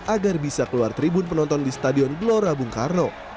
agar bisa keluar tribun penonton di stadion gelora bung karno